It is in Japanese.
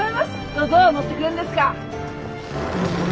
どうぞ乗ってくれんですか。